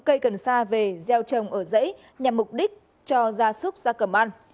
cây cần xa về gieo trồng ở dãy nhằm mục đích cho gia súc ra cầm ăn